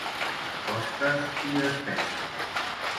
A costes i despeses.